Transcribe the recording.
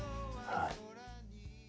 はい。